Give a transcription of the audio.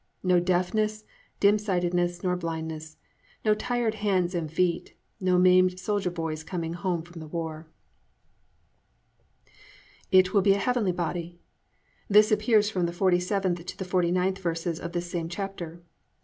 No deafness, dimsightedness nor blindness, no tired hands and feet, no maimed soldier boys coming home from the war. 8. It will be a heavenly body. This appears from the 47th to the 49th verses of this same chapter.